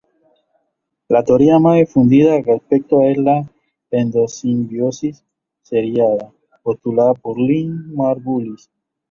La teoría más difundida al respecto es la endosimbiosis seriada, postulada por Lynn Margulis.